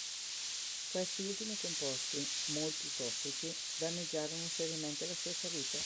Questi ultimi composti, molti tossici, danneggiarono seriamente la sua salute.